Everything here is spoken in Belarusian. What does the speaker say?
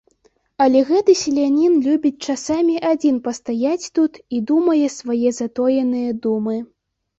Але гэты селянін любіць часамі адзін пастаяць тут і думае свае затоеныя думы.